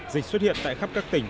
dịch xuất hiện tại khắp các tỉnh